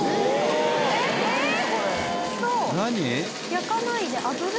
「焼かないで炙る？」